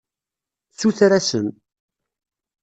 Suter-asen.